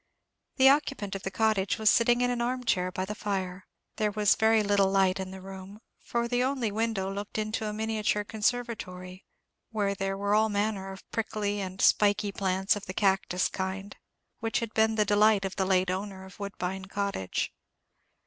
The occupant of the cottage was sitting in an arm chair by the fire. There was very little light in the room, for the only window looked into a miniature conservatory, where there were all manner of prickly and spiky plants of the cactus kind, which had been the delight of the late owner of Woodbine Cottage.